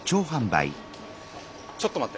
ちょっと待って！